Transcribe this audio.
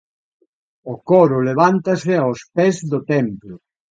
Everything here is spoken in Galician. O coro levántase aos pés do templo.